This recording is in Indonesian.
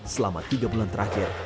selama tiga bulan terakhir